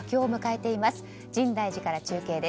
深大寺から中継です。